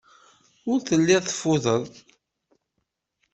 Ur telliḍ teffudeḍ.